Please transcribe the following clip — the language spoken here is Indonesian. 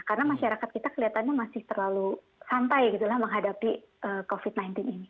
karena masyarakat kita kelihatannya masih terlalu santai menghadapi covid sembilan belas ini